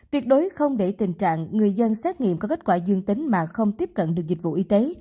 tuyệt đối không để tình trạng người dân xét nghiệm có kết quả dương tính mà không tiếp cận được dịch vụ y tế